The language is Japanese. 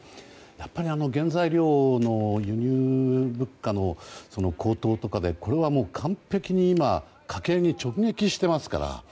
やっぱり、原材料の輸入物価の高騰とかでこれはもう、完璧に今、家計に直撃してますから。